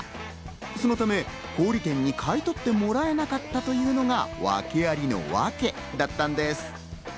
そのため小売店に買い取ってもらえなかったというのが訳ありのワケだったんです。